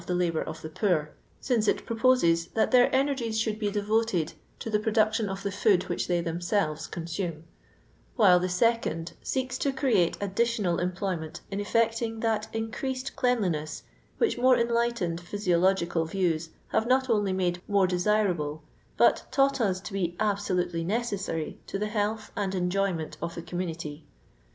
LOSTDON LABOUR AND THE LONDOK POOiU 267 poMf UmU their «neivi«i should be deyoted to the producttoQ of the food which they themielrei eoncaiM ; while the seeoad aeeke to create addi tional employment in effecting that increaaed cleanlineM which more enlightened phyiiological Tiews hare not only made more deuraUe, but taught ng to be abeolubely neeeeaary to the health and enjoyment of the conunnni^.